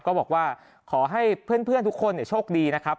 ก็บอกว่าขอให้เพื่อนทุกคนโชคดีนะครับ